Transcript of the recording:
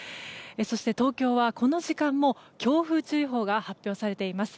そして東京はこの時間も強風注意報が発表されています。